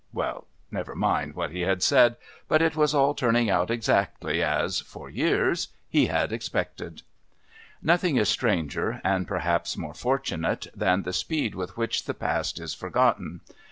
Well, never mind what he had said, but it was all turning out exactly as, for years, he had expected. Nothing is stranger (and perhaps more fortunate) than the speed with which the past is forgotten.